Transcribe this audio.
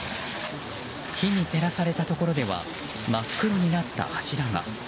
火に照らされたところでは真っ黒になった柱が。